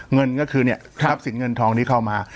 เงินก็คือเนี่ยทรัพย์สินเงินทองที่เข้ามา